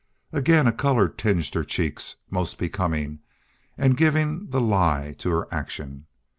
Again a color tinged her cheeks, most becoming, and giving the lie to her action.